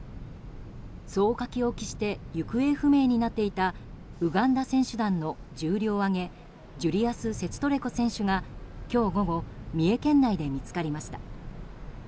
そう書き置きして行方不明になっていたウガンダ選手団の重量挙げジュリアス・セチトレコ選手が今日午後三重県内で見つかりました。